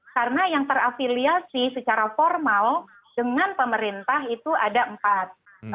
karena yang terafiliasi secara formal dengan pemerintah itu ada empat